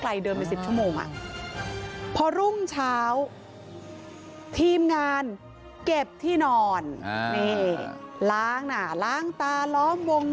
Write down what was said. เดินไป๑๐ชั่วโมงพอรุ่งเช้าทีมงานเก็บที่นอนนี่ล้างหน้าล้างตาล้อมวง